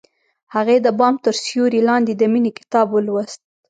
هغې د بام تر سیوري لاندې د مینې کتاب ولوست.